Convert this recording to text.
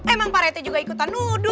emang pak rethe juga ikutan